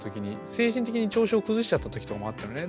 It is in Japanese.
精神的に調子を崩しちゃった時とかもあったのね